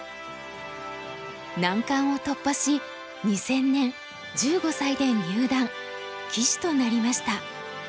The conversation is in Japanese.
難関を突破し２０００年１５歳で入段棋士となりました。